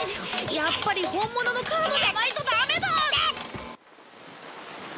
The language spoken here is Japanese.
やっぱり本物のカードじゃないとダメだ！